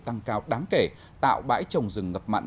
tăng cao đáng kể tạo bãi trồng rừng ngập mặn